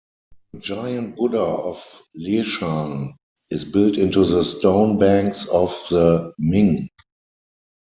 The Giant Buddha of Leshan is built into the stone banks of the Min.